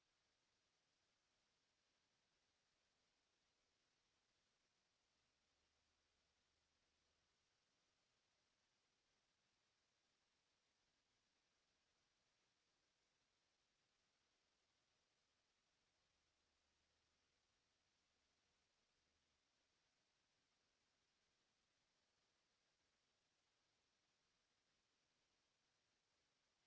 โปรดติดตามต่อไป